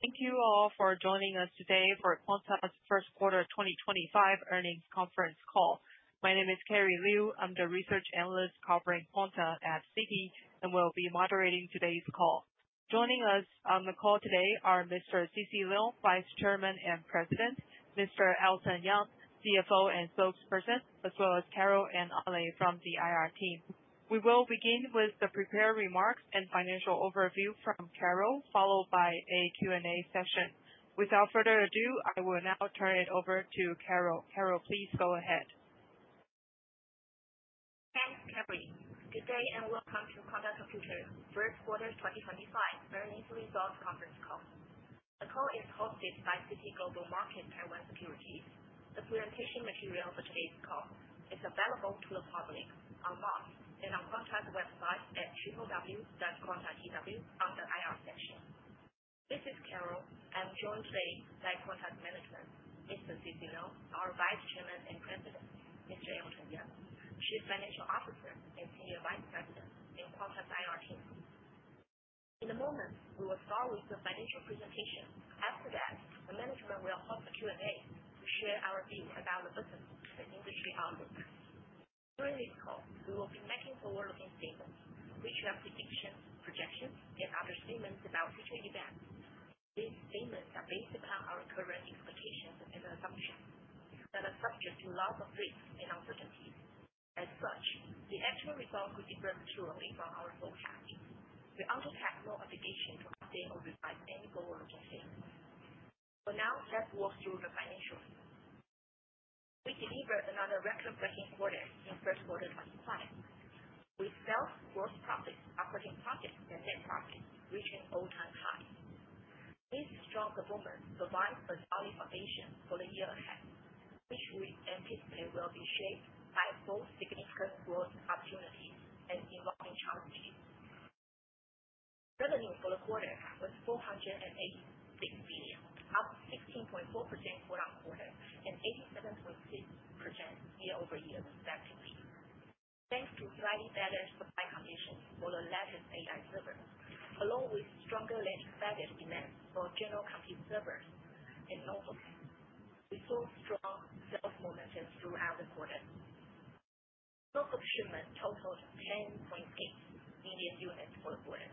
Thank you all for joining us today for Quanta's first quarter 2025 earnings conference call. My name is Carrie Liu. I'm the research analyst covering Quanta at Citi, and we'll be moderating today's call. Joining us on the call today are Mr. C. C. Leung, Vice Chairman and President, Mr. Elton Yang, CFO and spokesperson, as well as Carol and Ale from the IR team. We will begin with the prepared remarks and financial overview from Carol, followed by a Q&A session. Without further ado, I will now turn it over to Carol. Carol, please go ahead. Thank you, Carrie. Good day and welcome to Quanta Computer's first quarter 2025 earnings results conference call. The call is hosted by Citi Global Markets Taiwan Securities. The presentation material for today's call is available to the public online and on Quanta's website at www.quanta.tw/ir-session. This is Carol. I'm joined today by Quanta's management, Mr. C. C. Leung, our Vice Chairman and President, Mr. Elton Yang, Chief Financial Officer and Senior Vice President in Quanta's IR team. In a moment, we will start with the financial presentation. After that, the management will host a Q&A to share our views about the business and industry outlook. During this call, we will be making forward-looking statements, which are predictions, projections, and other statements about future events. These statements are based upon our current expectations and assumptions that are subject to lots of risks and uncertainties. As such, the actual results will differ purely from our forecasts. We also have no obligation to update or revise any forward-looking statements. For now, let's walk through the financials. We delivered another record-breaking quarter in first quarter 2025. We sell gross profits according to targets and net profits, reaching all-time highs. This strong performance provides a solid foundation for the year ahead, which we anticipate will be shaped by both significant growth opportunities and evolving challenges. Revenue for the quarter was NT$ 486 billion, up 16.4% quarter on quarter and 87.6% year over year, respectively. Thanks to slightly better supply conditions for the latest AI servers, along with stronger landing baggage demand for general compute servers and Notebooks, we saw strong sales momentum throughout the quarter. Total shipments totaled 10.8 million units for the quarter,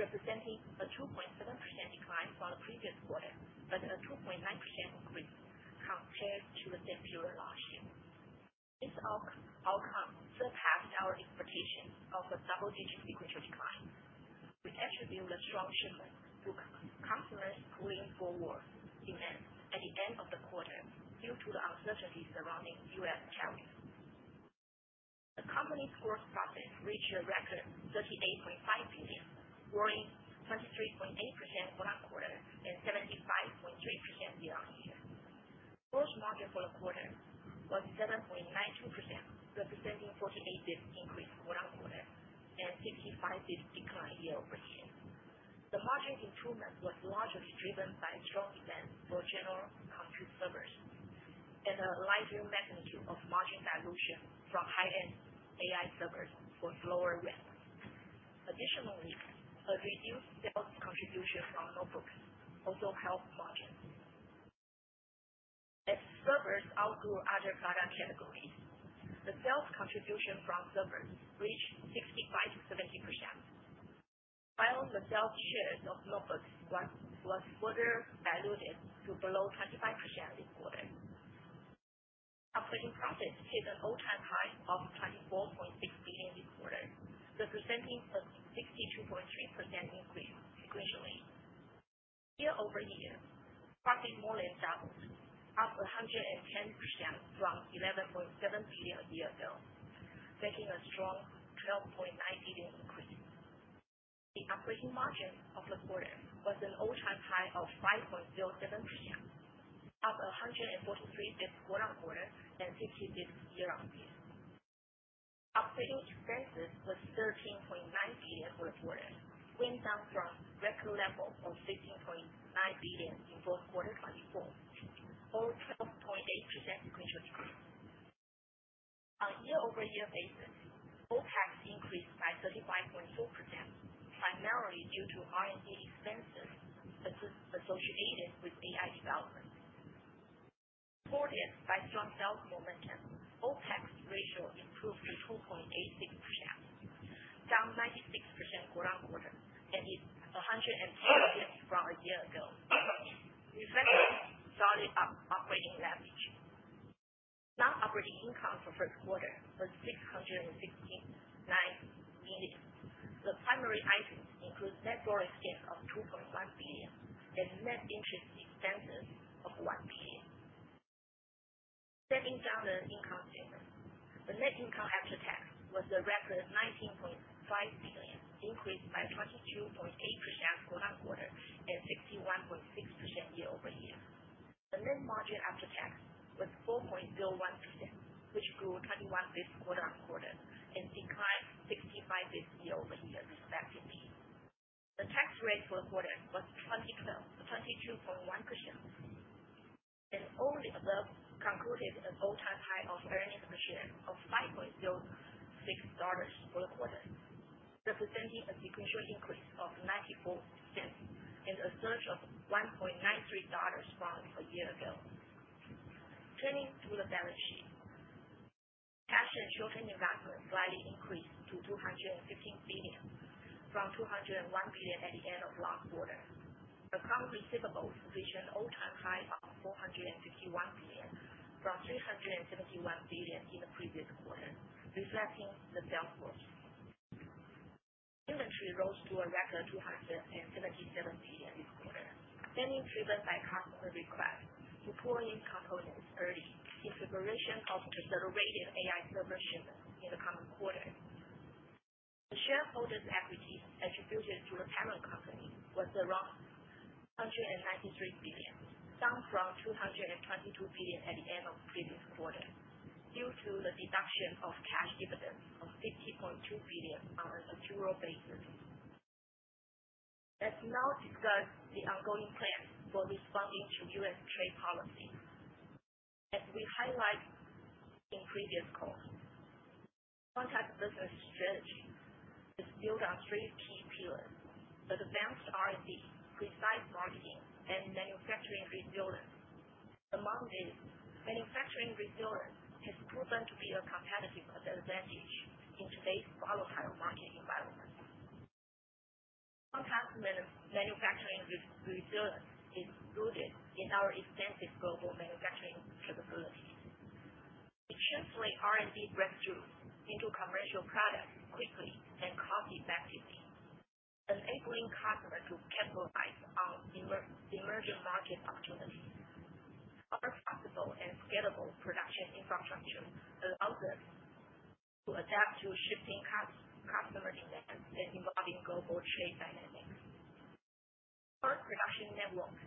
representing a 2.7% decline from the previous quarter but a 2.9% increase compared to the same period last year. This outcome surpassed our expectations of a double-digit sequential decline. We attribute the strong shipments to customers pulling forward demand at the end of the quarter due to the uncertainties surrounding U.S. tariffs. The company's gross profits reached NT$ 38.5 billion, growing 23.8% quarter on quarter and 75.3% year on year. Gross margin for the quarter was 7.92%, representing a 48 basis point increase quarter on quarter and 65 basis point decline year over year. The margin improvement was largely driven by strong demand for general compute servers and a lighter magnitude of margin dilution from high-end AI servers for slower ramp. Additionally, a reduced sales contribution from Notebooks also helped margins. As servers outgrew other product categories, the sales contribution from servers reached 65%-70%, while the sales share of Notebooks was further diluted to below 25% this quarter. Operating profits hit an all-time high of NT$24.6 billion this quarter, representing a 62.3% increase sequentially. Year over year, profit more than doubled, up 110% from NT$11.7 billion a year ago, making a strong NT$12.9 billion increase. The operating margin of the quarter was an all-time high of 5.07%, up 143 basis points quarter on quarter and 60 basis points year on year. Operating expenses were NT$13.9 billion for the quarter, went down from record level of NT$15.9 billion in fourth quarter 2024, or 12.8% sequentially. On a year-over-year basis, OPEX increased by 35.4%, primarily due to R&D expenses associated with AI development. Supported by strong sales momentum, OPEX ratio improved to 2.86%, down 96% quarter on quarter, and is 110 basis points from a year ago, reflecting solid operating leverage. Non-operating income for first quarter was NT$ 616.9 million. The primary items include net borrowing skill of NT$ 2.1 million and net interest expenses of NT$ 1 million. Stepping down the income statement, the net income after tax was a record NT$ 19.5 billion, increased by 22.8% quarter on quarter and 61.6% year over year. The net margin after tax was 4.01%, which grew 21 basis points quarter on quarter and declined 65 basis points year over year, respectively. The tax rate for the quarter was 22.1%, and only above concluded an all-time high of earnings per share of NT$ 5.06 for the quarter, representing a sequential increase of 94% and a surge of NT$ 1.93 from a year ago. Turning to the balance sheet, cash and short-term investments slightly increased to NT$215 billion, from NT$201 billion at the end of last quarter. Account receivables reached an all-time high of NT$451 billion, from NT$371 billion in the previous quarter, reflecting the sales growth. Inventory rose to a record NT$277 billion this quarter, mainly driven by customer requests to pour in components early in preparation of accelerated AI server shipments in the coming quarter. The shareholders' equity attributed to the parent company was around NT$193 billion, down from NT$222 billion at the end of the previous quarter, due to the deduction of cash dividends of NT$50.2 billion on a secure basis. Let's now discuss the ongoing plans for responding to U.S. trade policy, as we highlighted in previous calls. Quanta's business strategy is built on three key pillars: advanced R&D, precise marketing, and manufacturing resilience. Among these, manufacturing resilience has proven to be a competitive advantage in today's volatile market environment. Quanta's manufacturing resilience is rooted in our extensive global manufacturing capabilities. We gently R&D breakthroughs into commercial products quickly and cost-effectively, enabling customers to capitalize on emerging market opportunities. Our flexible and scalable production infrastructure allows us to adapt to shifting customer demands and evolving global trade dynamics. Our production network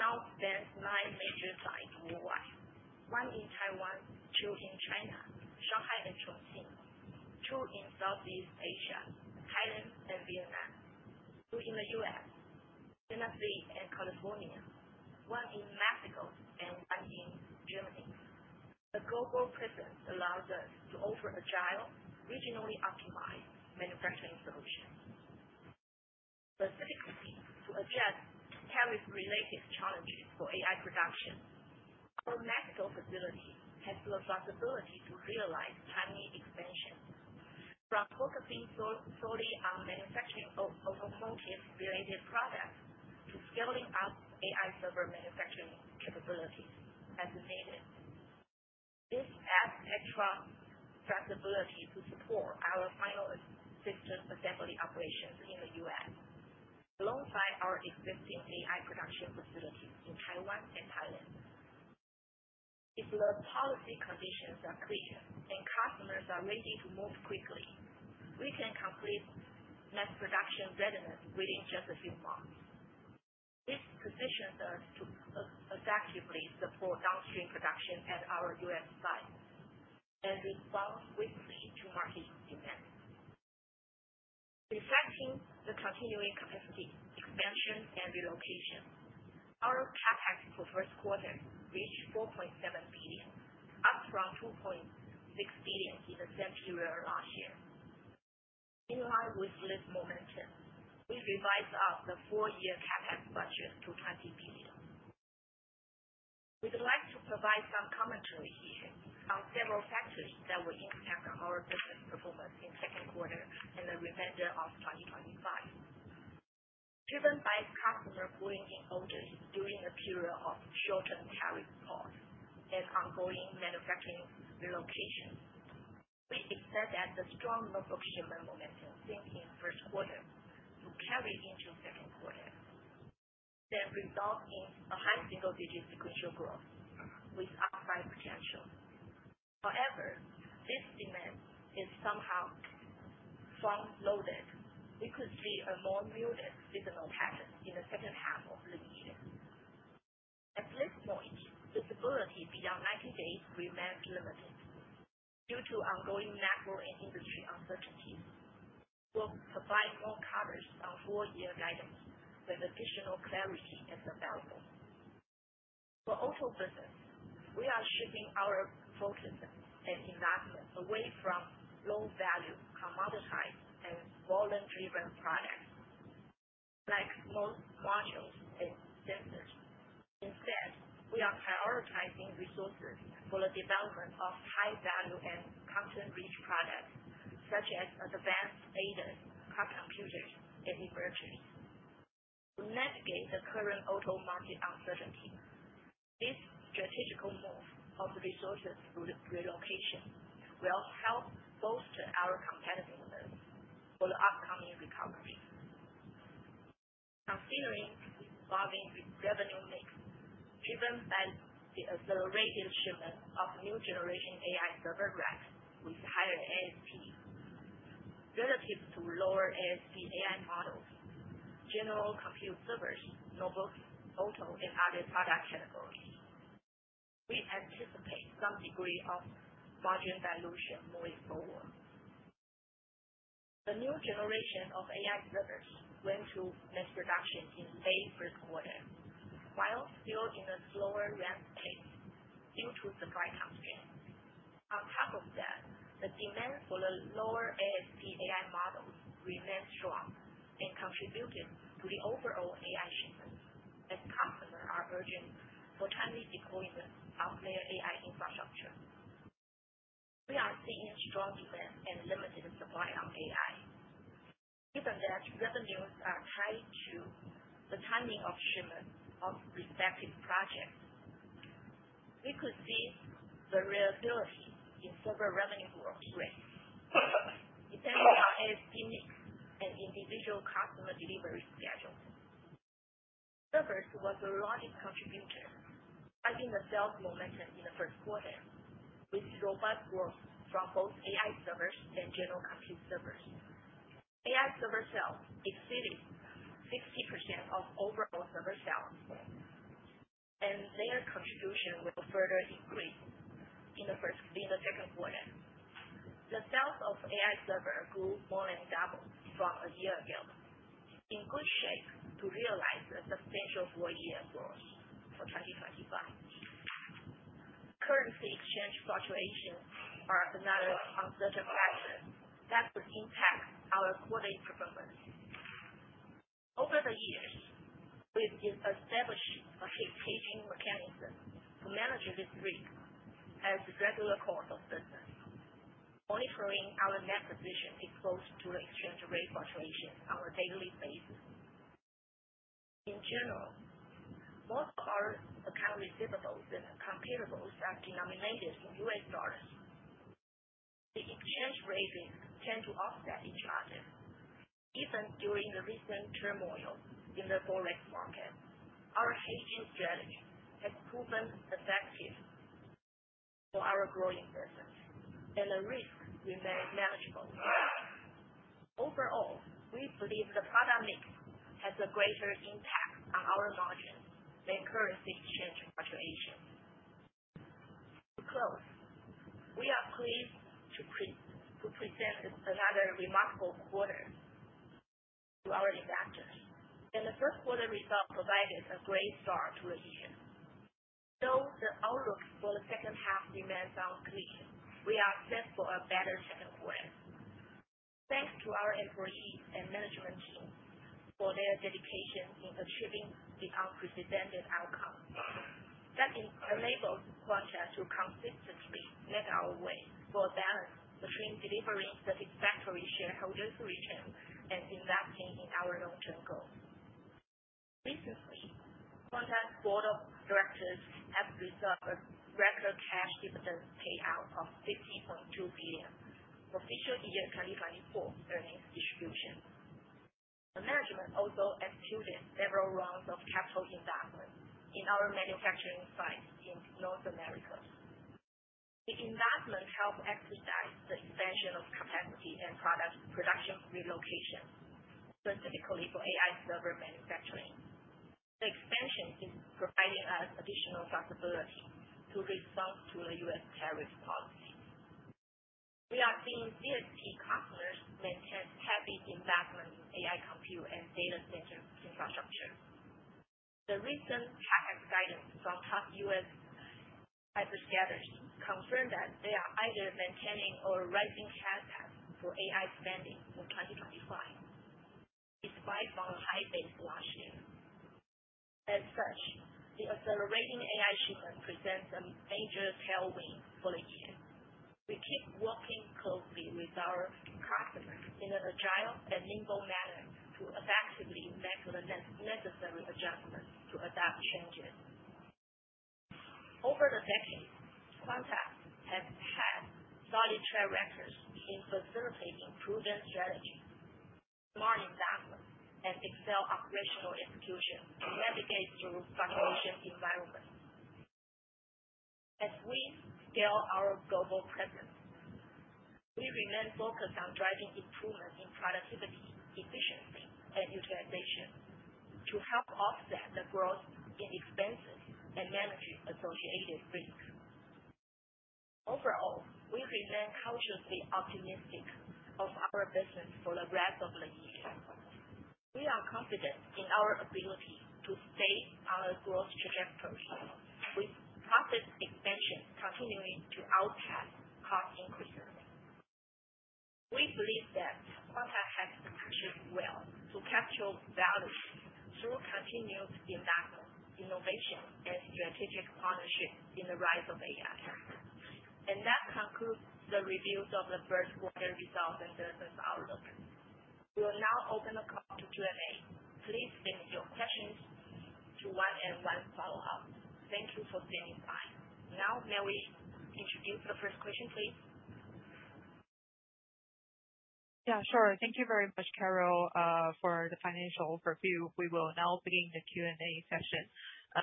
now spans nine major sites worldwide: one in Taiwan, two in China, Shanghai and Chongqing, two in Southeast Asia, Thailand and Vietnam, two in the U.S., Tennessee and California, one in Mexico, and one in Germany. The global presence allows us to offer agile, regionally optimized manufacturing solutions. Specifically, to address tariff-related challenges for AI production, our Mexico facility has the flexibility to realize timely expansions, from focusing solely on manufacturing of automotive-related products to scaling up AI server manufacturing capabilities as needed. This adds extra flexibility to support our final system assembly operations in the U.S., alongside our existing AI production facilities in Taiwan and Thailand. If the policy conditions are clear and customers are ready to move quickly, we can complete mass production readiness within just a few months. This positions us to effectively support downstream production at our U.S. site and respond quickly to market demand. Reflecting the continuing capacity expansion and relocation, our CapEx for first quarter reached NT$ 4.7 billion, up from NT$ 2.6 billion in the same period last year. In line with this momentum, we revised our four-year CapEx budget to NT$ 20 billion. We'd like to provide some commentary here on several factors that will impact our business performance in second quarter and the remainder of 2025. Driven by customer pulling in orders during a period of short-term tariff pause and ongoing manufacturing relocation, we expect that the strong notebook shipment momentum seen in first quarter to carry into second quarter, then result in a high single-digit sequential growth with upside potential. However, this demand is somehow front-loaded. We could see a more muted seasonal pattern in the second half of the year. At this point, visibility beyond 90 days remains limited due to ongoing macro and industry uncertainties. We'll provide more coverage on four-year guidance when additional clarity is available. For auto business, we are shifting our focus and investment away from low-value, commoditized, and volume-driven products like most modules and sensors. Instead, we are prioritizing resources for the development of high-value and content-rich products such as advanced ADAS, car computers, and inverters. To navigate the current auto market uncertainty, this strategical move of resources through relocation will help bolster our competitiveness for the upcoming recovery. Considering evolving revenue mix, driven by the accelerated shipment of new generation AI server racks with higher ASP relative to lower ASP AI models, general compute servers, Notebooks, auto, and other product categories, we anticipate some degree of margin dilution moving forward. The new generation of AI servers went to mass production in May first quarter, while still in a slower ramp pace due to supply time scale. On top of that, the demand for the lower ASP AI models remains strong and contributing to the overall AI shipments, as customers are urging for timely deployment of their AI infrastructure. We are seeing strong demand and limited supply on AI. Given that revenues are tied to the timing of shipments of respective projects, we could see variability in server revenue growth rates, depending on ASP mix and individual customer delivery schedules. Servers were the largest contributors, driving the sales momentum in the first quarter, with robust growth from both AI servers and general compute servers. AI server sales exceeded 60% of overall server sales, and their contribution will further increase in the second quarter. The sales of AI servers grew more than double from a year ago, in good shape to realize a substantial four-year growth for 2025. Currency exchange fluctuations are another uncertain factor that could impact our quarterly performance. Over the years, we've established a hedging mechanism to manage this risk as a regular course of business, monitoring our net position exposed to the exchange rate fluctuations on a daily basis. In general, most of our account receivables and computables are denominated in U.S. dollars. The exchange rates tend to offset each other. Even during the recent turmoil in the forex market, our hedging strategy has proven effective for our growing business, and the risk remains manageable. Overall, we believe the product mix has a greater impact on our margins than currency exchange fluctuations. To close, we are pleased to present another remarkable quarter to our investors, and the first quarter results provided a great start to the year. Though the outlook for the second half remains unclear, we are set for a better second quarter, thanks to our employees and management team for their dedication in achieving the unprecedented outcome. That enables Quanta to consistently make our way for a balance between delivering satisfactory shareholders' returns and investing in our long-term goals. Recently, Quanta's board of directors has resolved a record cash dividend payout of NT$ 50.2 billion for fiscal year 2024 earnings distribution. The management also executed several rounds of capital investment in our manufacturing sites in North America. The investment helped exercise the expansion of capacity and product production relocation, specifically for AI server manufacturing. The expansion is providing us additional flexibility to respond to the U.S. tariff policy. We are seeing CSP customers maintain heavy investment in AI compute and data center infrastructure. The recent CapEx guidance from U.S. hyperscalers confirmed that they are either maintaining or raising CapEx for AI spending for 2025, despite following high base last year. As such, the accelerating AI shipment presents a major tailwind for the year. We keep working closely with our customers in an agile and nimble manner to effectively make the necessary adjustments to adapt changes. Over the decades, Quanta has had solid track records in facilitating proven strategies, smart investments, and excel operational execution to navigate through fluctuation environments. As we scale our global presence, we remain focused on driving improvements in productivity, efficiency, and utilization to help offset the growth in expenses and manage associated risks. Overall, we remain cautiously optimistic of our business for the rest of the year. We are confident in our ability to stay on a growth trajectory, with profit expansion continuing to outpace cost increases. We believe that Quanta has captured well to capture value through continued investment, innovation, and strategic partnerships in the rise of AI. That concludes the reviews of the first quarter results and business outlook. We will now open the call to Q&A. Please finish your questions to one-on-one follow-up. Thank you for taking time. Now, may we introduce the first question, please? Yeah, sure. Thank you very much, Carol, for the financial overview. We will now begin the Q&A session.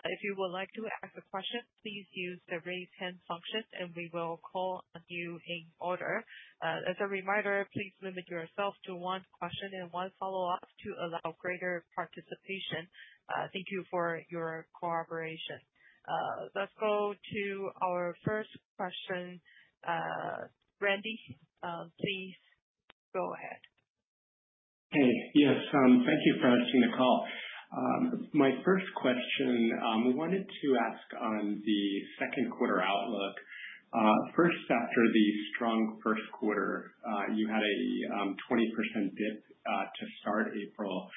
If you would like to ask a question, please use the raise hand function, and we will call on you in order. As a reminder, please limit yourself to one question and one follow-up to allow greater participation. Thank you for your cooperation. Let's go to our first question. Randy, please go ahead. Hey, yes. Thank you for asking the call. My first question, we wanted to ask on the second quarter outlook. First, after the strong first quarter, you had a 20% dip to start April.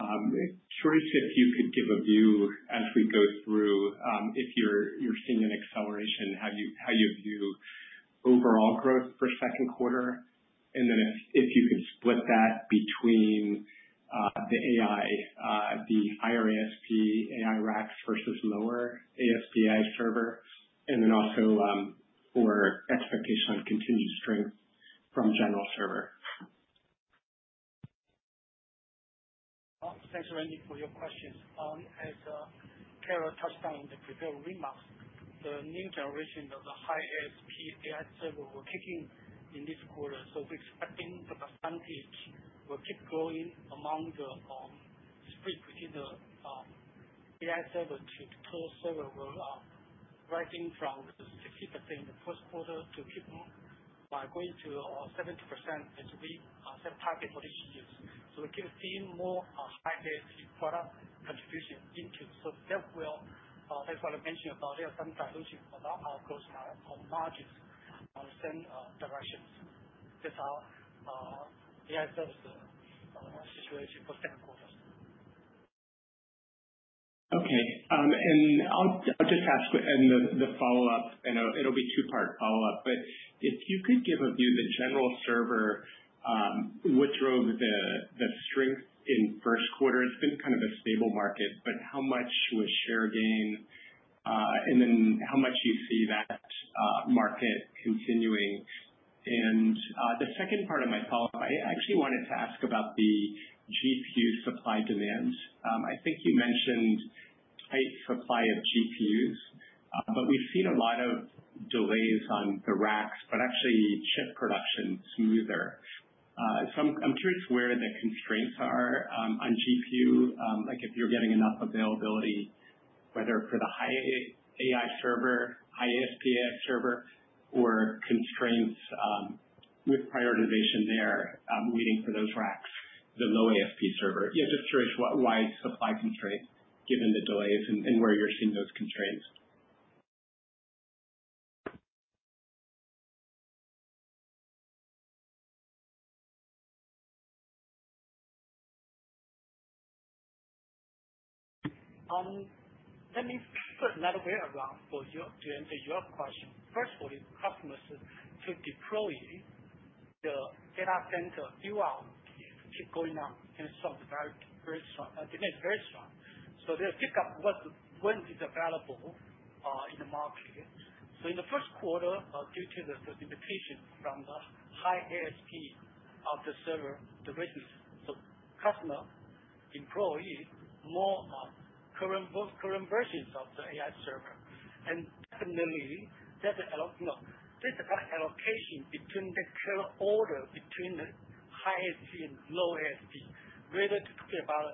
Curious if you could give a view as we go through if you're seeing an acceleration, how you view overall growth for second quarter. If you could split that between the AI, the higher ASP AI racks versus lower ASP AI server, and then also for expectation on continued strength from general server. Thanks, Randy, for your questions. As Carol touched on in the previous remarks, the new generation of the high ASP AI server will kick in in this quarter. We are expecting the percentage will keep growing among the split between the AI server to total server will rise from 60% in the first quarter to keep by going to 70% as we set targets for this year. We keep seeing more high ASP product contribution into. That is why I mentioned about there are some dilution for our gross margins on the same directions. That is our AI server situation for second quarter. Okay. I will just ask in the follow-up, and it will be a two-part follow-up. If you could give a view, the general server, what drove the strength in first quarter? It's been kind of a stable market, but how much was share gain? How much do you see that market continuing? The second part of my follow-up, I actually wanted to ask about the GPU supply demands. I think you mentioned tight supply of GPUs, but we've seen a lot of delays on the racks, but actually chip production smoother. I'm curious where the constraints are on GPU, like if you're getting enough availability, whether for the high AI server, high ASP AI server, or constraints with prioritization there waiting for those racks, the low ASP server. Just curious why supply constraints given the delays and where you're seeing those constraints. Let me put another way around for you to answer your question. First, for these customers to deploy the data center throughout. Keep going up. The demand is very strong. They'll pick up when it's available in the market. In the first quarter, due to the certification from the high ASP of the server, the reason is the customer employs more current versions of the AI server. There's an allocation between order between the high ASP and low ASP, whether to talk about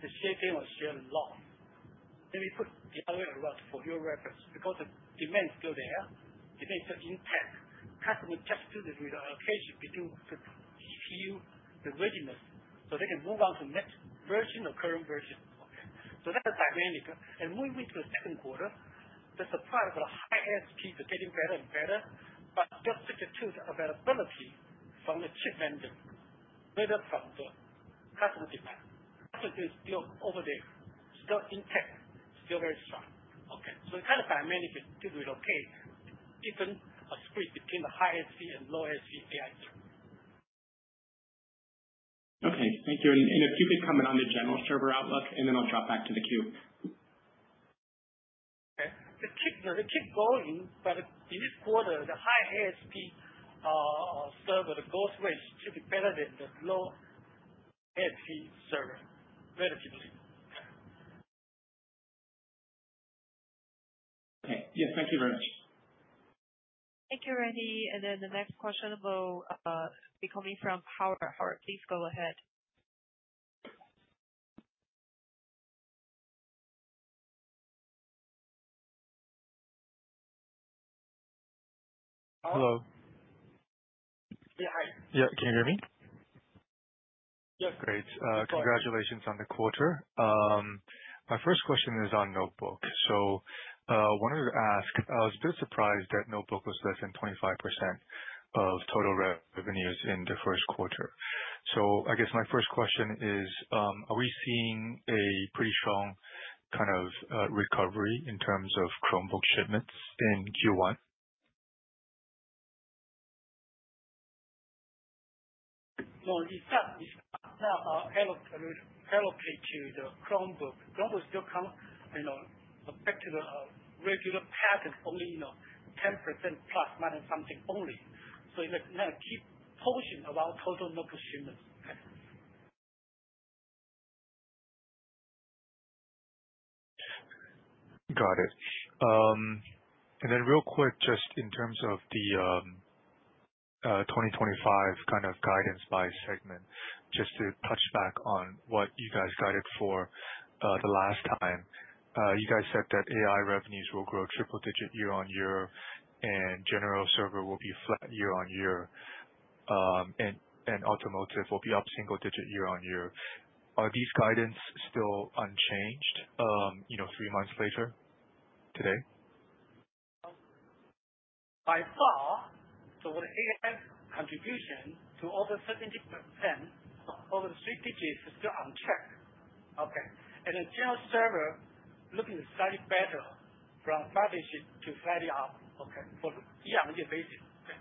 the share gain or share loss. Let me put it the other way around for your reference. The demand's still there. Demand's still intact. Customers just do the reallocation between the GPU, the readiness, so they can move on to the next version or current version. That's dynamic. Moving to the second quarter, the supply of the high ASPs is getting better and better, just due to the availability from the chip vendor, whether from the customer demand. Customer demand is still over there. It is still intact. It is still very strong. It is kind of dynamic to relocate different splits between the high ASP and low ASP AI server. Thank you. If you could comment on the general server outlook, then I will drop back to the queue. They keep going, but in this quarter, the high ASP server, the growth rate should be better than the low ASP server, relatively. Yes, thank you very much. Thank you, Randy. The next question will be coming from Howard. Howard, please go ahead. Hello. Hi. Yeah. Can you hear me? Yeah. Great. Congratulations on the quarter. My first question is on Notebook. I wanted to ask, I was a bit surprised that Notebook was less than 25% of total revenues in the first quarter. I guess my first question is, are we seeing a pretty strong kind of recovery in terms of Chromebook shipments in Q1? No, you start now allocate to the Chromebook. Chromebook is still coming back to the regular pattern, only 10% plus, minus something only. It is a key portion of our total Notebook shipments. Okay. Got it. Real quick, just in terms of the 2025 kind of guidance by segment, just to touch back on what you guys guided for the last time, you guys said that AI revenues will grow triple-digit year on year, and general server will be flat year on year, and automotive will be up single-digit year on year. Are these guidance still unchanged three months later today? By far. We are here contribution to over 70%. Over the three digits is still unchecked. Okay. General server looking slightly better from flat digit to flat up. Okay. For the year-on-year basis. Okay.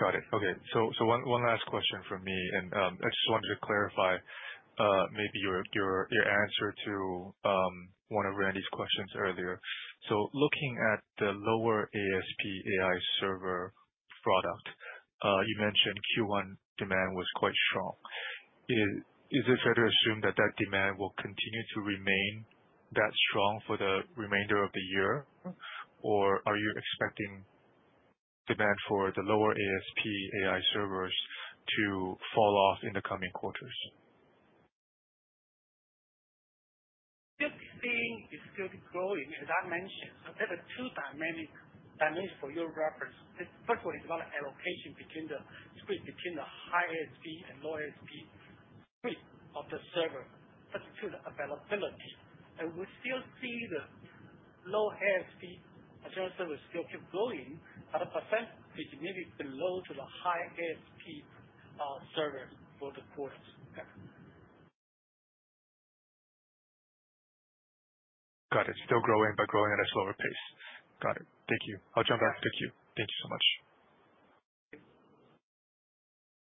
Got it. One last question from me, and I just wanted to clarify maybe your answer to one of Randy's questions earlier. Looking at the lower ASP AI server product, you mentioned Q1 demand was quite strong. Is it fair to assume that that demand will continue to remain that strong for the remainder of the year, or are you expecting demand for the lower ASP AI servers to fall off in the coming quarters? It is still growing, as I mentioned. There are two dynamics for your reference, First, for the allocation between the split between the high ASP and low ASP split of the server, but still the availability. We still see the low ASP general server still keep growing, but the percentage may be below to the high ASP server for the quarters. Okay. Got it. Still growing, but growing at a slower pace. Got it. Thank you. I'll jump back to the queue. Thank you so much.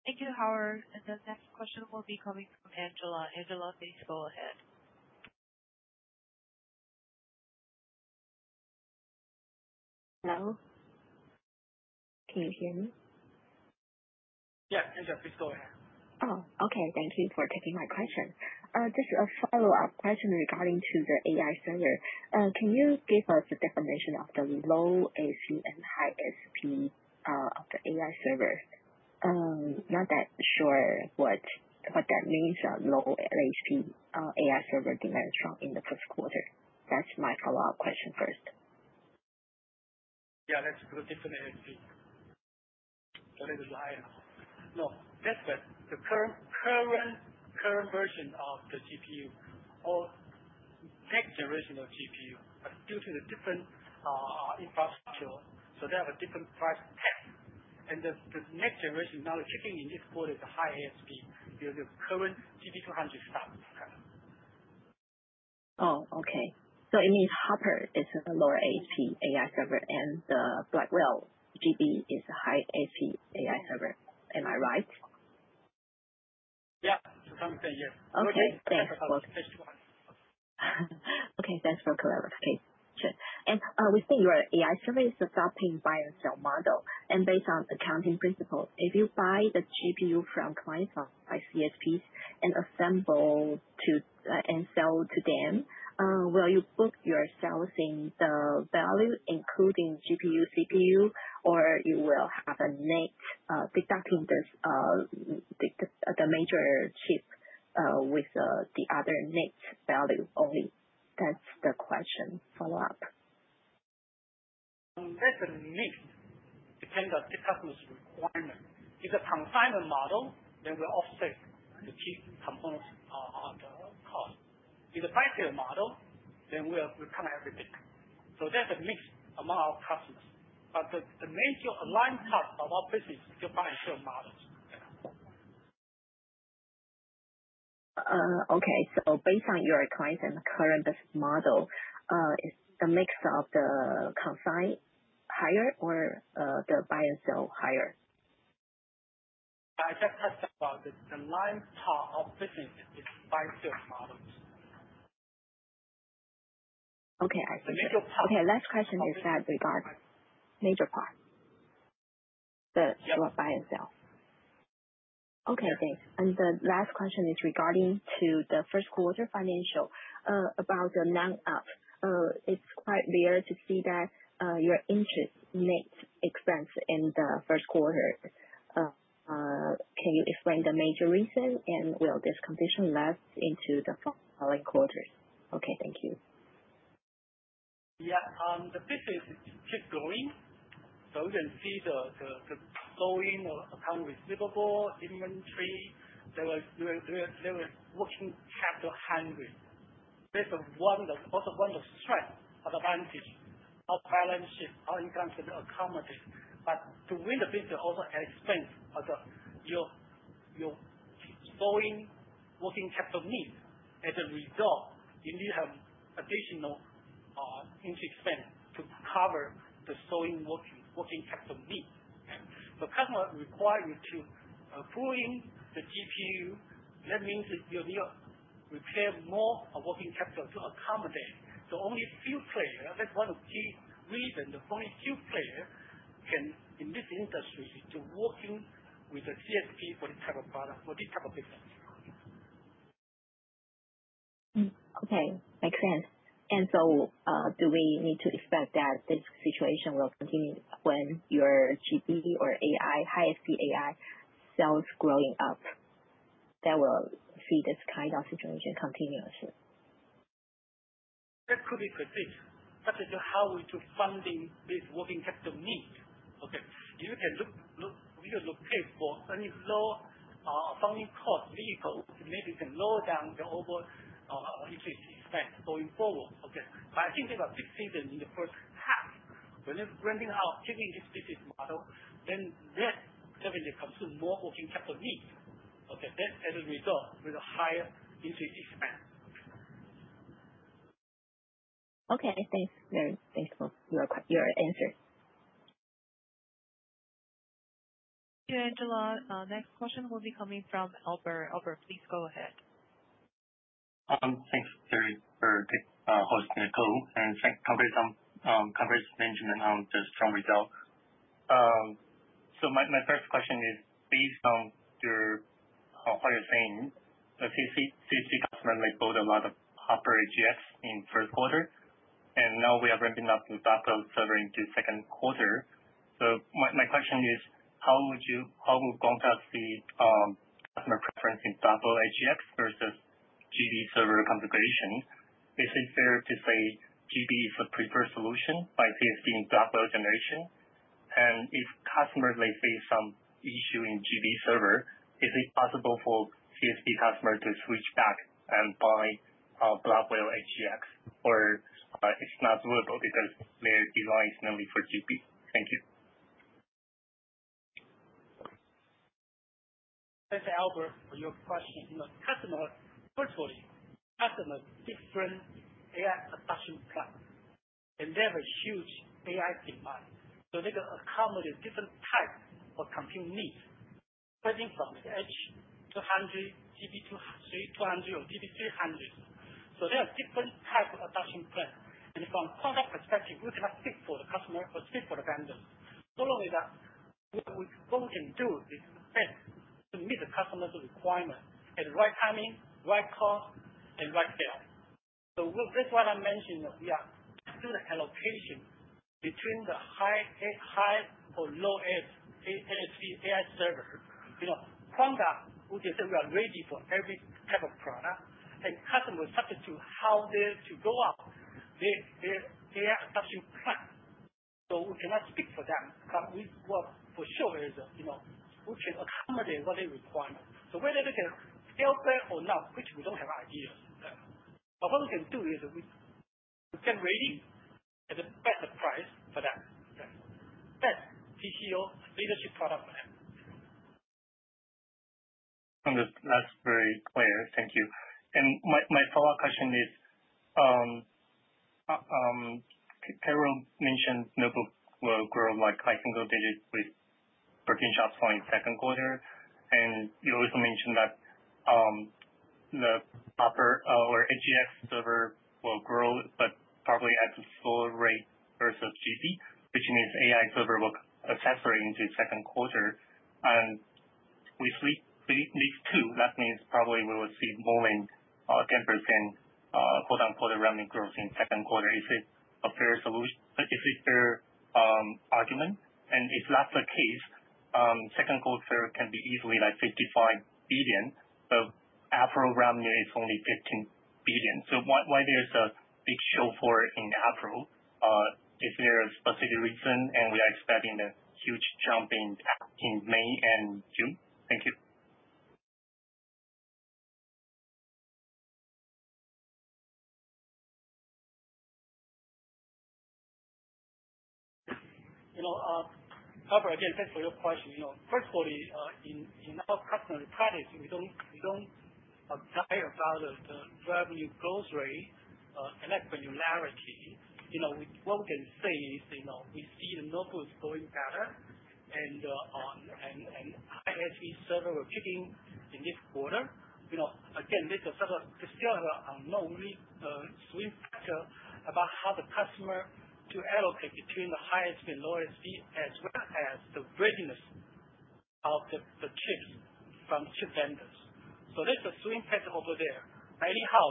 Thank you, Howard. The next question will be coming from Angela. Angela, please go ahead. Hello. Can you hear me? Yeah. Angela, please go ahead. Oh, okay. Thank you for taking my question. Just a follow-up question regarding the AI server. Can you give us the definition of the low ASP and high ASP of the AI server? Not that sure what that means, low ASP AI server demand is strong in the first quarter. That's my follow-up question first. Yeah, that's the definition. What is it like? No. That's the current version of the GPU or next generation of GPU, but due to the different infrastructure, they have a different price tag. The next generation now is kicking in this quarter, it is the high ASP because the current GB200 stocks. Okay. Oh, okay. It means Hopper is the lower ASP AI server, and the Blackwell GB is the high ASP AI server. Am I right? Yeah. To some extent, yes. Okay. Thanks for clarification. Okay. Thanks for clarification. We think your AI server is a self-paying buy-and-sell model. Based on accounting principle, if you buy the GPU from clients by CSPs and assemble and sell to them, will you book yourself in the value, including GPU, CPU, or will you have a net deducting the major chip with the other net value only? That is the question. Follow-up. That is a mix depending on the customer's requirement. If it is a confinement model, then we will offset the key components on the cost. If it is a buy-and-sell model, then we will cover everything. That is a mix among our customers. The major alignment part of our business is still buy-and-sell models. Okay. Based on your clients' current model, is the mix of the confined higher or the buy-and-sell higher? The line part of business is buy-and-sell models. Okay. I see. Okay. Last question is that regarding major part, the buy-and-sell. Okay. Thanks. The last question is regarding the first quarter financial about the non-op. It's quite rare to see that your interest net expense in the first quarter. Can you explain the major reason, and will this condition last into the following quarters? Okay. Thank you. Yeah. The business is still going. We can see the growing account receivable, inventory. There were working capital hungry. That's also one of the strengths, advantage. Our balance sheet, our income is going to accommodate. To win the business, also expense of your soaring working capital need. As a result, you need to have additional interest expense to cover the soaring working capital need. The customer requires you to pull in the GPU. That means you need to prepare more working capital to accommodate. The only few players, that's one of the key reasons the only few players can in this industry is to working with the CSP for this type of product, for this type of business. Okay. Makes sense. Do we need to expect that this situation will continue when your GB or AI, high ASP AI sales growing up? That will see this kind of situation continuously. That could be predicted. That is how we do funding this working capital need. Okay. You can look for any low funding cost vehicle to maybe can lower down the over interest expense going forward. Okay. I think there's a big season in the first half. When it's renting out, giving this business model, then that definitely comes to more working capital need. Okay. That's as a result with a higher interest expense. Okay. Thanks. Very thankful for your answer. Thank you, Angela. Next question will be coming from Albert. Albert, please go ahead. Thanks, Carrie, for hosting the call and congrats management on the strong result. My first question is, based on what you're saying, the CSP customer may build a lot of Hopper HGX in first quarter, and now we are ramping up the Doppler server into second quarter. My question is, how will Quanta see customer preference in Doppler HGX versus GB server configuration? Is it fair to say GB is a preferred solution by CSP in Doppler generation? If customer may face some issue in GB server, is it possible for CSP customer to switch back and buy Blackwell HGX? Or it's not doable because their design is mainly for GB? Thank you. Thanks, Albert, for your question. Customer virtually, customer. Different AI production platforms. They have a huge AI demand. They can accommodate different types of compute needs, starting from the H200, GB200, or GB300. They have different types of production platforms. From a Quanta perspective, we cannot speak for the customer or speak for the vendors. Not only that, what we can do is to meet the customer's requirement at the right timing, right cost, and right sale. That is why I mentioned that we are doing the allocation between the high or low ASP AI server. Quanta, we can say we are ready for every type of product. Customer is subject to how they are to go up their AI production platform. We cannot speak for them, but we work for sure as we can accommodate what their requirement is. Whether they can scale well or not, which we do not have ideas. What we can do is we can get ready at the best price for them. That is TCO leadership product for them. That is very clear. Thank you. My follow-up question is, Carol mentioned Notebook will grow like high single-digit with working shops going second quarter. You also mentioned that the Hopper or HGX server will grow, but probably at a slower rate versus GB, which means AI server will accelerate into second quarter. We see these two. That means probably we will see more than 10% "revenue growth" in second quarter. Is it a fair solution? Is it a fair argument? If that is the case, second quarter can be easily like NT$55 billion, but April revenue is only NT$15 billion. Why is there a big show for it in April? Is there a specific reason, and we are expecting a huge jump in May and June? Thank you. However, again, thanks for your question. Firstly, in our customer practice, we do not care about the revenue growth rate, electricity and electricity. What we can say is we see the Notebook is going better, and high ASP server we are kicking in this quarter. Again, this is still a known swing factor about how the customer to allocate between the high ASP and low ASP as well as the readiness of the chips from chip vendors. So there is a swing factor over there. Anyhow,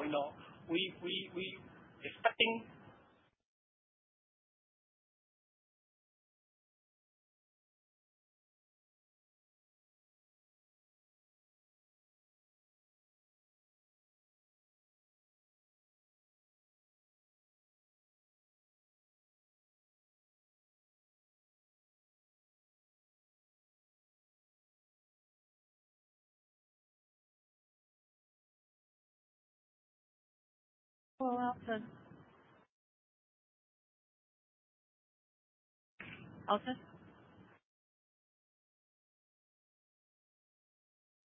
we are expecting. Elton?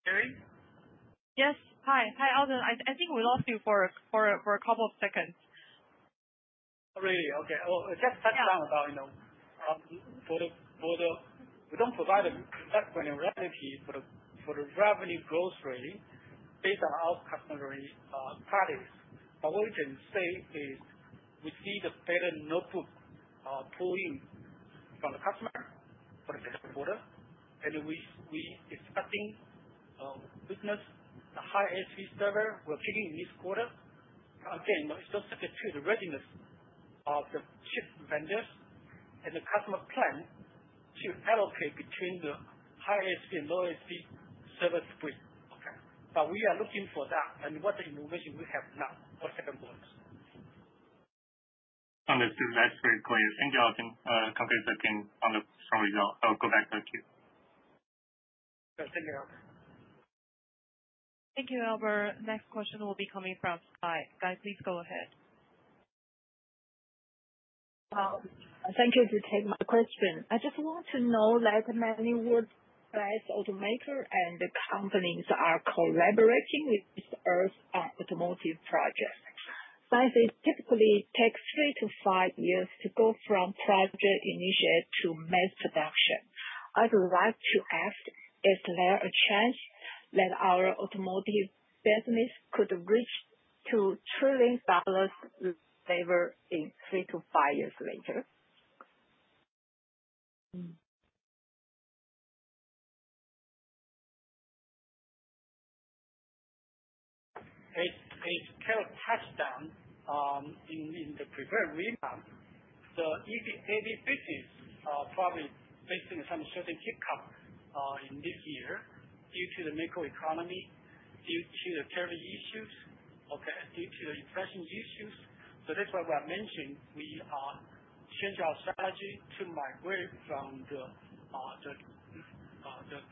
Carrie? Yes. Hi. Hi, Elton. I think we lost you for a couple of seconds. Oh, really? Okay. Just touched on about for the. We do not provide a direct revenue for the revenue growth rate based on our customer practice. What we can say is we see the better Notebook pulling from the customer for the second quarter. We are expecting business, the high ASP server, we're kicking this quarter. Again, it's also due to the readiness of the chip vendors and the customer plan to allocate between the high ASP and low ASP server split. We are looking for that and what the information we have now for second quarter. Understood. That's very clear. Thank you, Elton. Congrats again on the strong result. I'll go back to the queue. Thank you, Albert. Thank you, Albert. Next question will be coming from Sky. Sky, please go ahead. Thank you for taking my question. I just want to know that many workplace automaker and companies are collaborating with Earth Automotive Project. Sky, it typically takes three to five years to go from project initiate to mass production. I'd like to ask, is there a chance that our automotive business could reach $1 trillion level in three to five years later? It's kind of touched on in the preferred time. The EV business probably facing some certain hiccup in this year due to the macroeconomy, due to the tariff issues, due to the inflation issues. That's why I mentioned we are changing our strategy to migrate from the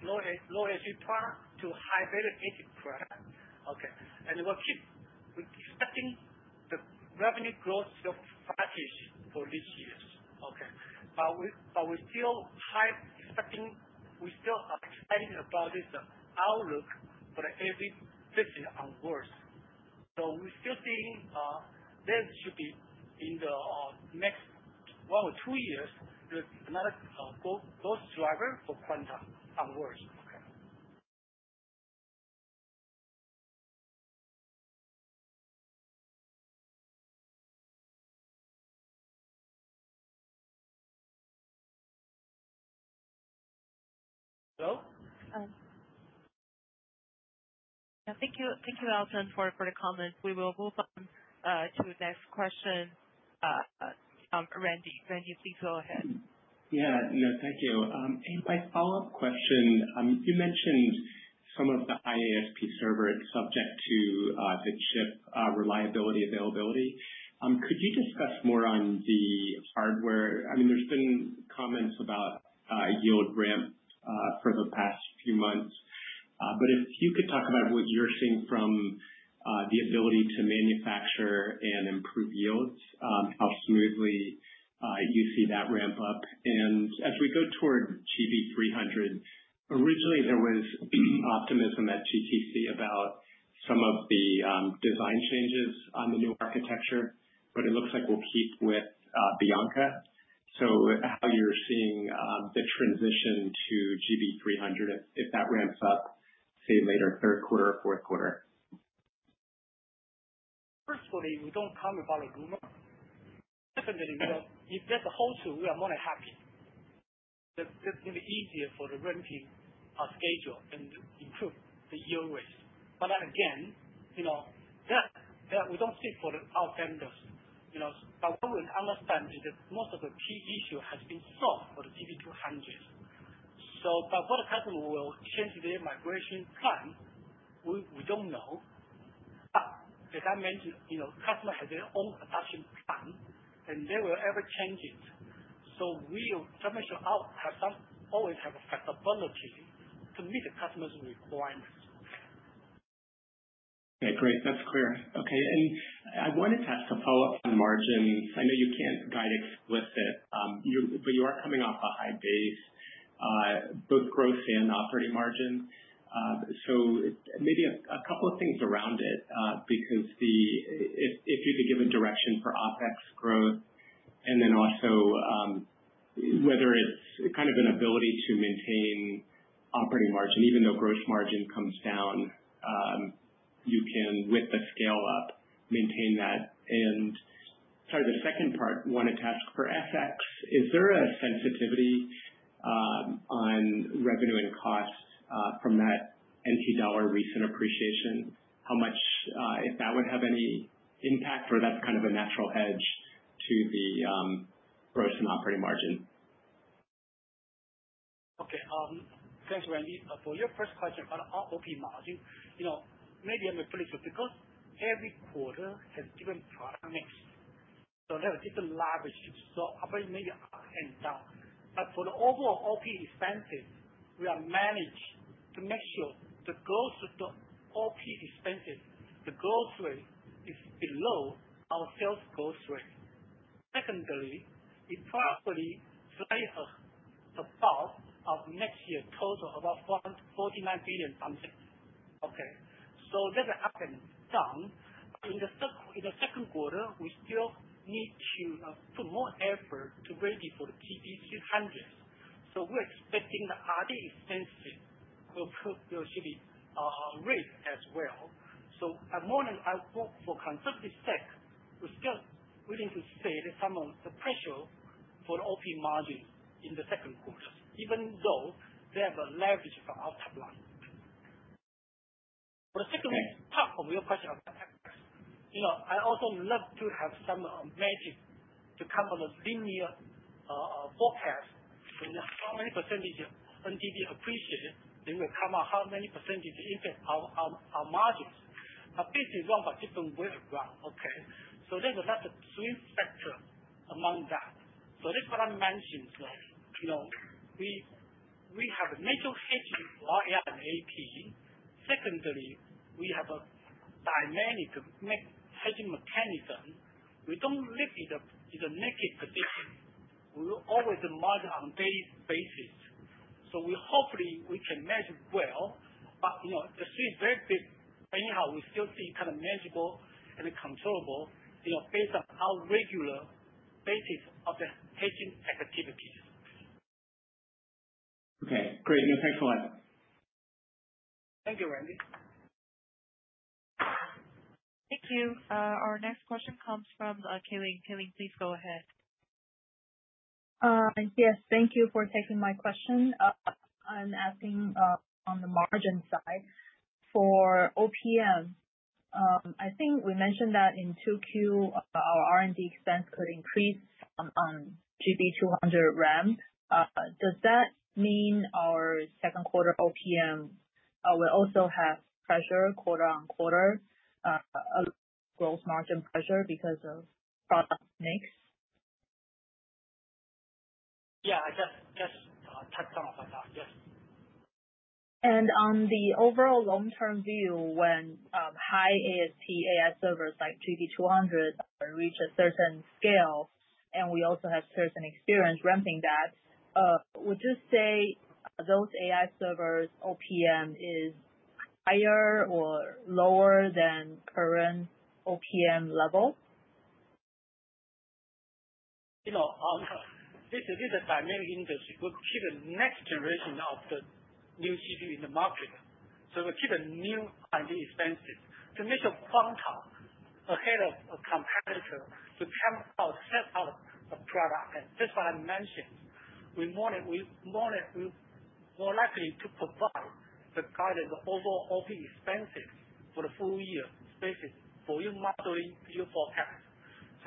low ASP product to high-value ASP product. We're expecting the revenue growth to package for this year. We're still expecting, we're still excited about this outlook for the EV business onwards. We're still seeing that should be in the next one or two years another growth driver for Quanta onwards. Hello? Thank you, Elton, for the comments. We will move on to the next question. Randy, please go ahead. Yeah. Thank you. My follow-up question, you mentioned some of the high ASP server is subject to the chip reliability availability. Could you discuss more on the hardware? I mean, there have been comments about yield ramp for the past few months. If you could talk about what you're seeing from the ability to manufacture and improve yields, how smoothly you see that ramp up. As we go toward GB300, originally there was optimism at GTC about some of the design changes on the new architecture, but it looks like we'll keep with Bianca. How are you seeing the transition to GB300 if that ramps up, say, later third quarter or fourth quarter? Personally, we don't comment about a rumor. Definitely, if that's a wholesale, we are more than happy. That's going to be easier for the renting schedule and improve the yield rates. Again, we do not speak for our vendors. What we understand is that most of the key issue has been solved for the GB200s. What the customer will change in their migration plan, we do not know. As I mentioned, customer has their own adoption plan, and they will ever change it. We always have flexibility to meet the customer's requirements. Okay. Great. That is clear. Okay. I wanted to ask a follow-up on margins. I know you cannot guide explicit, but you are coming off a high base, both growth and operating margin. Maybe a couple of things around it because if you could give a direction for OpEx growth and then also whether it is kind of an ability to maintain operating margin, even though gross margin comes down, you can, with the scale-up, maintain that. Sorry, the second part, wanted to ask for FX. Is there a sensitivity on revenue and cost from that NT dollar recent appreciation? How much if that would have any impact, or that's kind of a natural hedge to the gross and operating margin? Okay. Thanks, Randy. For your first question about our OP margin, maybe I may put it too because every quarter has different product mix. So there are different leverages. So operating may be up and down. For the overall OP expenses, we are managed to make sure the growth of the OP expenses, the growth rate is below our sales growth rate. Secondly, it probably slightly above our next year total of about NT$49 billion something. Okay. That's happened. Done. In the second quarter, we still need to put more effort to ready for the GB300s. We are expecting the R&D expenses will should be raised as well. More than I hope for conservative sake, we're still willing to say that some of the pressure for the OP margins in the second quarter, even though they have a leverage for our top line. For the second part of your question about FX, I also love to have some metrics to come on a linear forecast. How many % of NTD appreciate, then we'll come out how many % impact our margins. Basically, we're on a different wave of ground. Okay. There's a lot of swing factor among that. That's what I mentioned. We have a major hedging for our AI and AP. Secondly, we have a dynamic hedging mechanism. We don't live in a naked position. We will always monitor on a daily basis. Hopefully, we can manage well. The swing is very big. Anyhow, we still see kind of manageable and controllable based on our regular basis of the hedging activities. Okay. Great. Thanks a lot. Thank you, Randy. Thank you. Our next question comes from Keeling. Keeling, please go ahead. Yes. Thank you for taking my question. I'm asking on the margin side. For OPM, I think we mentioned that in 2Q, our R&D expense could increase on GB200 ramp. Does that mean our second quarter OPM will also have pressure quarter on quarter, a gross margin pressure because of product mix? Yeah. I guess touched on about that. Yes. On the overall long-term view, when high ASP AI servers like GB200 reach a certain scale, and we also have certain experience ramping that, would you say those AI servers OPM is higher or lower than current OPM level? This is a dynamic industry. We'll keep the next generation of the new CPU in the market. We'll keep the new ID expenses to make sure Quanta ahead of a competitor to come out, set out a product. Just what I mentioned, we're more likely to provide the guided overall OP expenses for the full year, basically for your modeling, your forecast.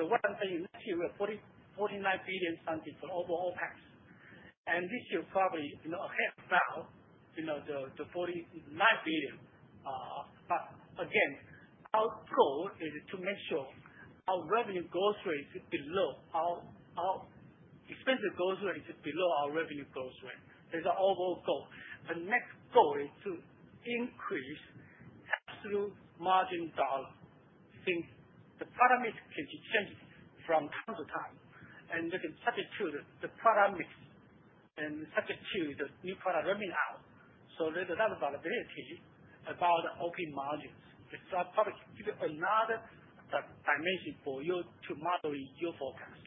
What I'm saying, next year, we have NT$49 billion something for overall OPEX. This year, probably half down the NT$49 billion. Again, our goal is to make sure our expense growth rate is below our revenue growth rate. That's our overall goal. The next goal is to increase absolute margin dollar. I think the product mix can change from time to time. We can substitute the product mix and substitute the new product ramping out. There is a lot of variability about the OP margins. It is probably to give you another dimension for you to model your forecast.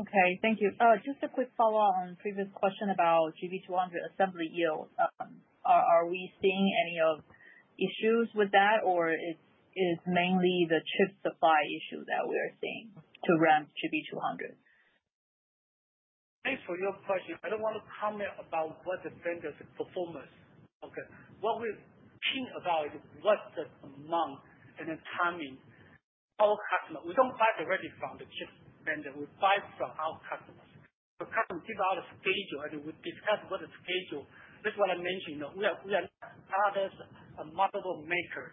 Okay. Thank you. Just a quick follow-up on previous question about GB200 assembly yield. Are we seeing any issues with that, or is it mainly the chip supply issue that we are seeing to ramp GB200? Thanks for your question. I do not want to comment about what the vendor's performance is. Okay. What we are keen about is what the demand and the timing are. Our customer, we do not buy directly from the chip vendor. We buy from our customers. The customer gives out a schedule, and we discuss what the schedule is. This is what I mentioned. We are not a model maker.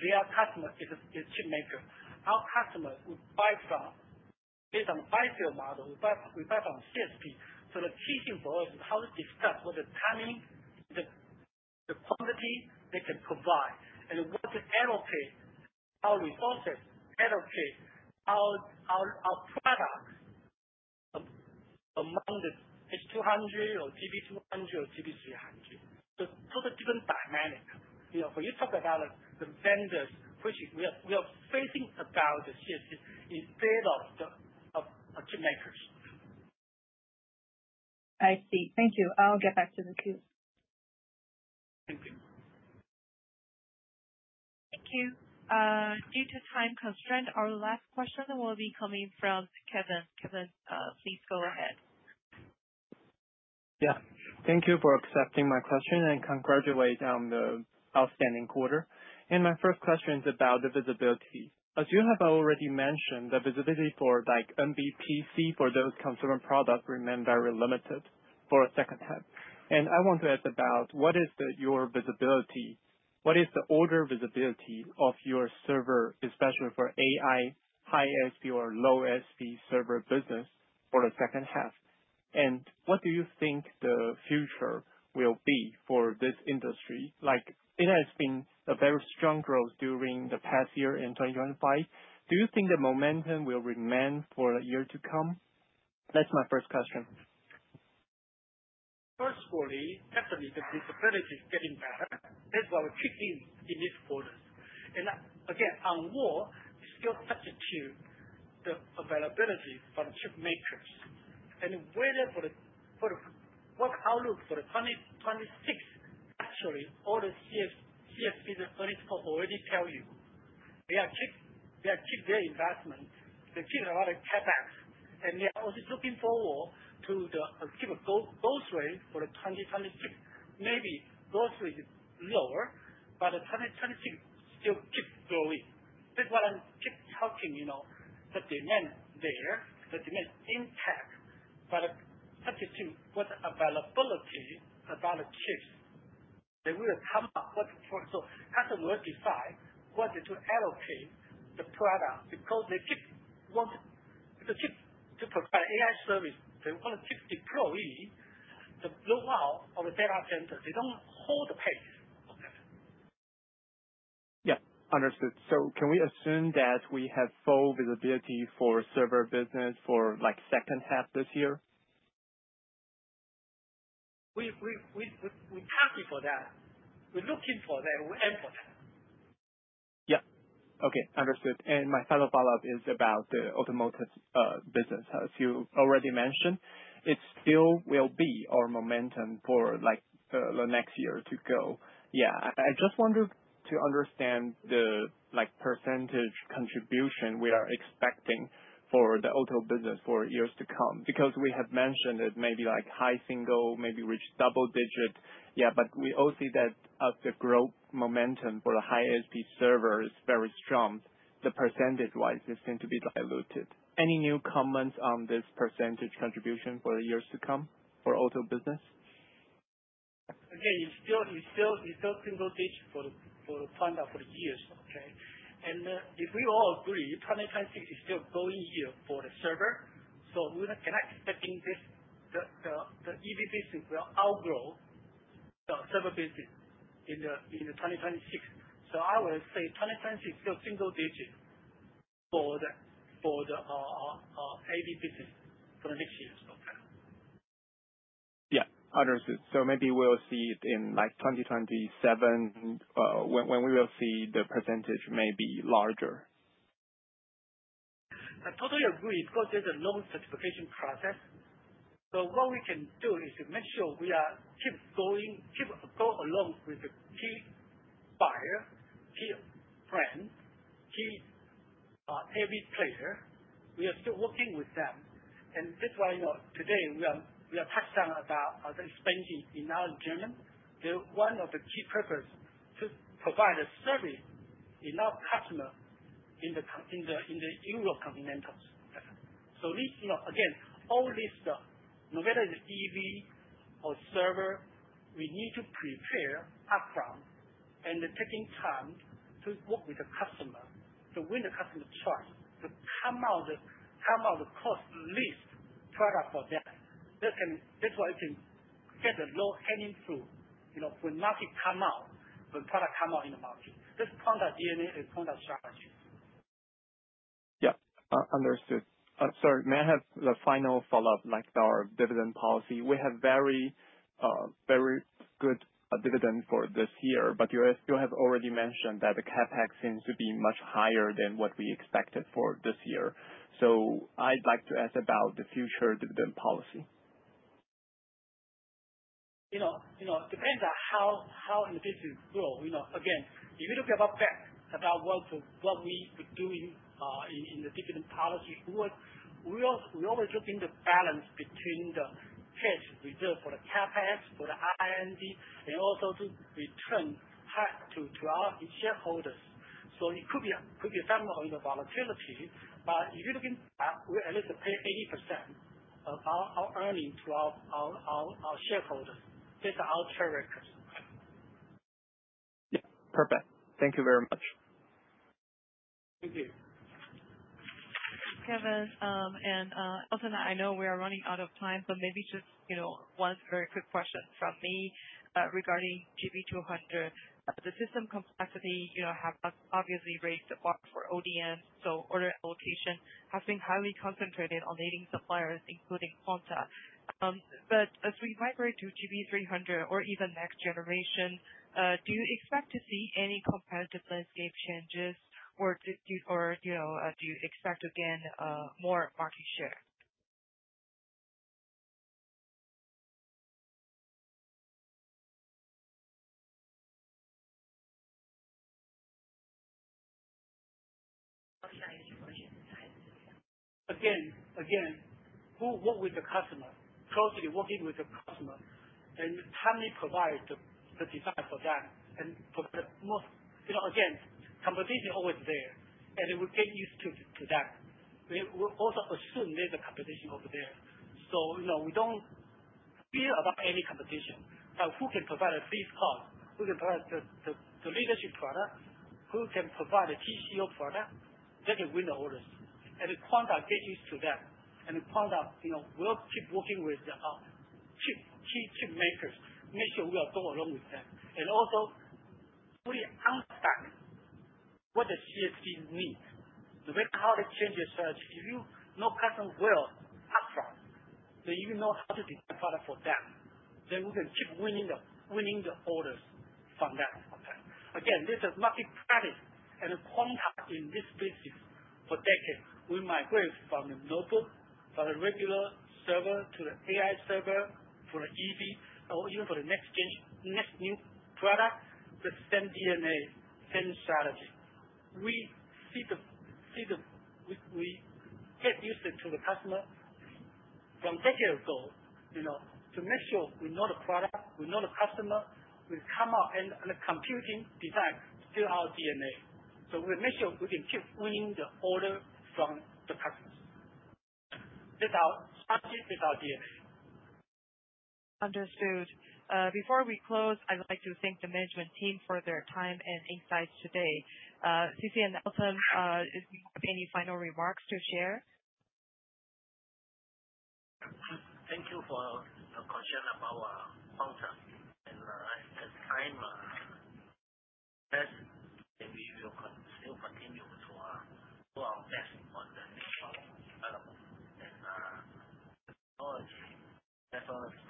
Their customer is a chip maker. Our customer will buy from based on the buy-sale model. We buy from CSP. The key thing for us is how to discuss what the timing, the quantity they can provide, and what to allocate our resources, allocate our product among the H200 or GB200 or GB300. Those are different dynamics. When you talk about the vendors, we are facing about the CSP instead of the chip makers. I see. Thank you. I'll get back to the queue. Thank you. Thank you. Due to time constraint, our last question will be coming from Kevin. Kevin, please go ahead. Yeah. Thank you for accepting my question and congratulate on the outstanding quarter. My first question is about the visibility. As you have already mentioned, the visibility for NBPC for those consumer products remains very limited for the second half. I want to ask about what is your visibility? What is the order visibility of your server, especially for AI, high ASP or low ASP server business for the second half? What do you think the future will be for this industry? It has been a very strong growth during the past year in 2025. Do you think the momentum will remain for the year to come? That's my first question. Personally, definitely, the visibility is getting better. That's why we're kicking in this quarter. Again, on war, we still substitute the availability from chip makers. Whether for the outlook for 2026, actually, all the CSPs and earnings call already tell you. They keep their investment. They keep a lot of cashbacks. They are also looking forward to the growth rate for 2026. Maybe growth rate is lower, but 2026 still keeps growing. That's why I keep talking the demand there, the demand impact. But substitute what availability about the chips. They will come up. Customer will decide what to allocate the product because they keep wanting to provide AI service. They want to keep deploying the blowout of a data center. They do not hold the pace. Okay. Yeah. Understood. Can we assume that we have full visibility for server business for second half this year? We're happy for that. We're looking for that. We're in for that. Yeah. Okay. Understood. My final follow-up is about the automotive business. As you already mentioned, it still will be our momentum for the next year to go. Yeah. I just wanted to understand the percentage contribution we are expecting for the auto business for years to come because we have mentioned it may be high single, maybe reach double digit. Yeah. We all see that the growth momentum for the high ASP server is very strong. The percentage-wise, it seemed to be diluted. Any new comments on this percentage contribution for the years to come for auto business? Again, it is still single digit for the fund for the years. Okay. If we all agree, 2026 is still going year for the server. We are not expecting the EV business will outgrow the server business in 2026. I would say 2026 is still single digit for the AV business for the next years. Okay. Yeah. Understood. Maybe we will see it in 2027 when we will see the percentage may be larger. I totally agree because there is a long certification process. What we can do is to make sure we keep going along with the key buyer, key brand, key AV player. We are still working with them. That is why today we touched on the expenses in our Germany. One of the key purposes is to provide a service to our customer in the Euro continentals. Again, all this, no matter the EV or server, we need to prepare upfront and take time to work with the customer to win the customer's trust, to come out with the cost-least product for them. That is why you can get a low hanging fruit when market comes out, when product comes out in the market. That is Quanta DNA and Quanta strategy. Yeah. Understood. Sorry. May I have the final follow-up, like our dividend policy? We have very good dividend for this year, but you have already mentioned that the CapEx seems to be much higher than what we expected for this year. I would like to ask about the future dividend policy. It depends on how the business grows. Again, if you look at our back, about what we've been doing in the dividend policy, we're always looking at the balance between the cash reserve for the CapEx, for the R&D, and also to return to our shareholders. It could be something of volatility. If you're looking back, we're able to pay 80% of our earnings to our shareholders. That's our track record. Yeah. Perfect. Thank you very much. Thank you. Kevin. Elton, I know we are running out of time, but maybe just one very quick question from me regarding GB200. The system complexity has obviously raised the bar for ODMs. Order allocation has been highly concentrated on leading suppliers, including Quanta. As we migrate to GB300 or even next generation, do you expect to see any competitive landscape changes, or do you expect again more market share? Again, what with the customer? Closely working with the customer. How many provide the design for them and provide the most? Again, competition is always there. We get used to that. We also assume there is a competition over there. We do not fear any competition. Who can provide a fixed cost? Who can provide the leadership product? Who can provide the TCO product? They can win the orders. Quanta gets used to that. Quanta will keep working with the key chip makers. Make sure we are going along with them. Also, fully unpack what the CSPs need. No matter how they change their strategy, if you know customer well upfront, then you know how to design product for them, then we can keep winning the orders from them. Again, this is market practice. And Quanta in this business, for decades, we migrated from the notebook, from the regular server to the AI server for the EV, or even for the next new product, the same DNA, same strategy. We see that we get used to the customer from decades ago to make sure we know the product, we know the customer. We come out and the computing design is still our DNA. We make sure we can keep winning the order from the customers. That is our strategy. That is our DNA. Understood. Before we close, I'd like to thank the management team for their time and insights today. C.C. and Elton, any final remarks to share? Thank you for your concern about Quanta. As time passes, we will still continue to do our best on the next development. Technology has always stuck. That is our obligation. We can only work closely with our customers to know any possibility that we could do.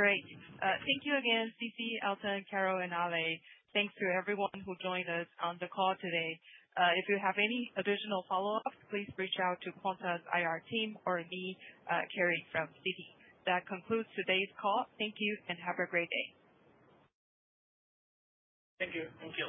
Great. Thank you again, C.C., Elton, Carol, and Ale. Thanks to everyone who joined us on the call today. If you have any additional follow-ups, please reach out to Quanta's IR team or me, Carrie, from Citi. That concludes today's call. Thank you and have a great day. Thank you. Thank you.